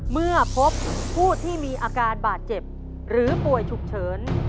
เมื่อพบผู้ที่มีอาการบาดเจ็บหรือป่วยฉุกเฉิน